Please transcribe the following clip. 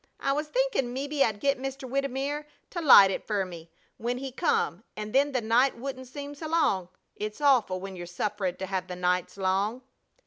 I was thinkin' mebbe I'd get Mr. Widymer to light it fer me when he come, an' then the night wouldn't seem so long. It's awful, when you're sufferin' to have the nights long."